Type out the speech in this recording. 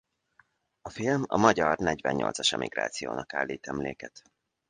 A film a magyar negyvennyolcas emigrációnak állít emléket.